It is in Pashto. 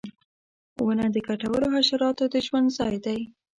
• ونه د ګټورو حشراتو د ژوند ځای دی.